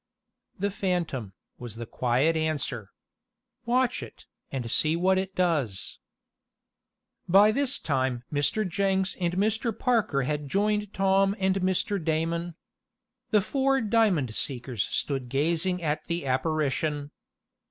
"The phantom," was the quiet answer. "Watch it, and see what it does." By this time Mr. Jenks and Mr. Parker had joined Tom and Mr. Damon. The four diamond seekers stood gazing at the apparition.